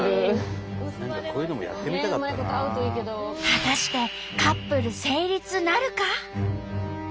果たしてカップル成立なるか？